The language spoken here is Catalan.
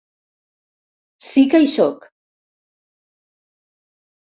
Sí que hi sóc.